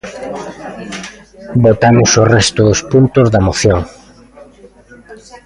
Votamos o resto dos puntos da moción.